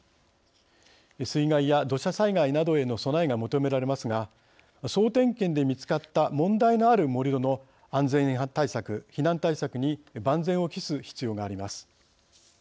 水害や土砂災害などへの備えが求められますが総点検で見つかった問題のある盛り土の安全対策避難対策に万全を期す必要があります。